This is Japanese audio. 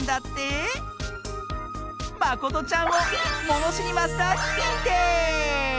まことちゃんをものしりマスターににんてい！